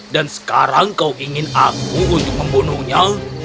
dan sekarang kau ingin aku untuk membunuhnya